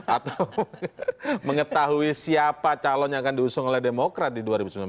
atau mengetahui siapa calon yang akan diusung oleh demokrat di dua ribu sembilan belas